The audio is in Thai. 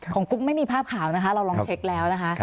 กุ๊กไม่มีภาพข่าวนะคะเราลองเช็คแล้วนะคะ